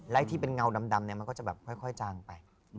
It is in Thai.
และที่เป็นเงาดำมันก็จะแบบค่อยจางไป